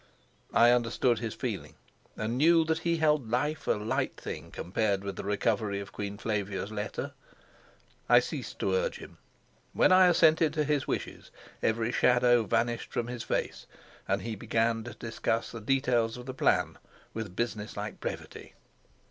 I understood his feeling, and knew that he held life a light thing compared with the recovery of Queen Flavia's letter. I ceased to urge him. When I assented to his wishes, every shadow vanished from his face, and he began to discuss the details of the plan with business like brevity.